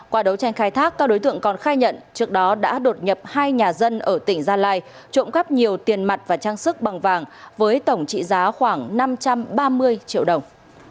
qua đấu tranh khai thác các đối tượng còn khai nhận trước đó đã đột nhập hai nhà dân ở tỉnh gia lai trộm cắp nhiều tiền mặt và trang sức bằng vàng với tổng trị giá khoảng năm trăm ba mươi triệu đồng